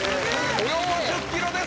およそ１０ｋｇです